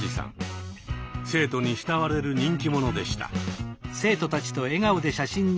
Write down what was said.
生徒に慕われる人気者でした。